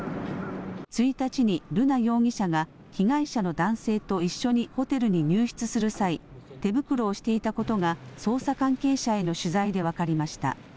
１日に瑠奈容疑者が被害者の男性と一緒にホテルに入室する際手袋をしていたことが捜査関係者への取材で分かりました。